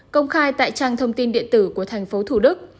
công khai tại trang thông tin điện tử của tp thd